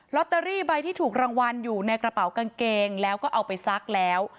ตเตอรี่ใบที่ถูกรางวัลอยู่ในกระเป๋ากางเกงแล้วก็เอาไปซักแล้ว